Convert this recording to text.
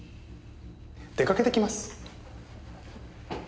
出かけてきます。